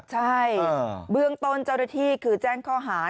ใช่เบื้องต้นเจ้าหน้าที่คือแจ้งข้อหา